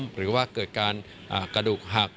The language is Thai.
หรือว่าเกิดการกระดูกหัก